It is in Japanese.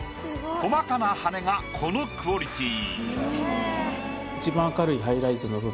細かな羽がこのクオリティー。